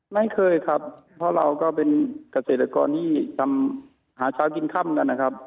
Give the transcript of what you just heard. ไม่เคยครับเพราะเราก็เป็นเกษตรกรที่ทำหาเช้ากินค่ำกันนะครับ